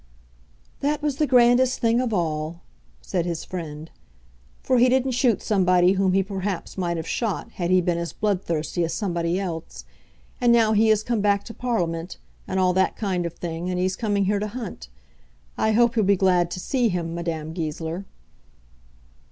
"That was the grandest thing of all," said his friend, "for he didn't shoot somebody whom perhaps he might have shot had he been as bloodthirsty as somebody else. And now he has come back to Parliament, and all that kind of thing, and he's coming here to hunt. I hope you'll be glad to see him, Madame Goesler."